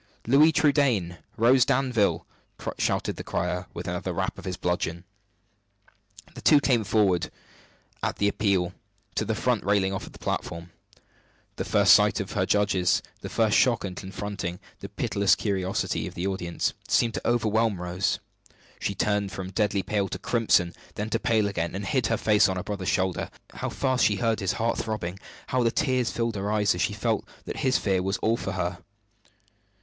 "Louis Trudaine! Rose Danville!" shouted the crier, with another rap of his bludgeon. The two came forward, at the appeal, to the front railing of the platform. The first sight of her judges, the first shock on confronting the pitiless curiosity of the audience, seemed to overwhelm Rose. She turned from deadly pale to crimson, then to pale again, and hid her face on her brother's shoulder. How fast she heard his heart throbbing! How the tears filled her eyes as she felt that his fear was all for her!